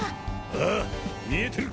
ああ見えてる。